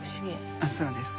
あっそうですか。